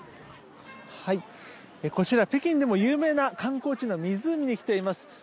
こちら、北京でも有名な観光地の湖に来ています。